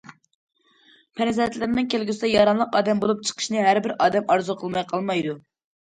پەرزەنتلىرىنىڭ كەلگۈسىدە ياراملىق ئادەم بولۇپ چىقىشىنى ھەربىر ئادەم ئارزۇ قىلماي قالمايدۇ.